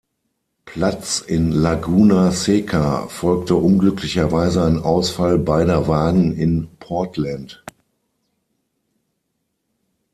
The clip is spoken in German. Platz in Laguna Seca folgte unglücklicherweise ein Ausfall beider Wagen in Portland.